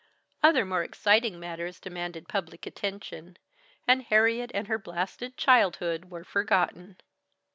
Other more exciting matters demanded public attention; and Harriet and her blasted childhood were forgotten.